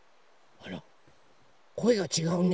あらこえがちがうね。